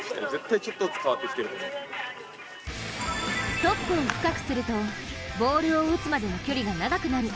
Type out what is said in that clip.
トップを深くするとボールを打つまでの距離が長くなる。